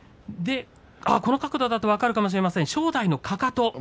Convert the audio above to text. この角度だと分かるかもしれません、正代のかかと。